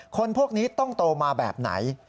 คนพวกนี้ต้องโตมาแบบไหน